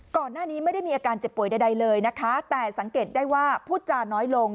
ก่อนหน้านี้ไม่ได้มีอาการเจ็บป่วยใดเลยนะคะแต่สังเกตได้ว่าพูดจาน้อยลง